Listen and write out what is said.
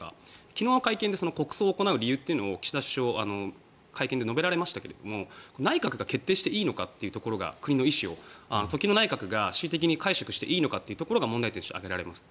昨日は会見で国葬を行う理由というのを岸田首相は会見で述べられましたが内閣が決定していいのかというところが時の内閣が恣意的に解釈していいのかというところが問題点として挙げられます。